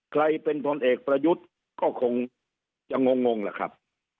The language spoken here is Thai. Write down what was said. ใครเป็นพลเอกประยุทธ์ก็คงจะงงล่ะครับ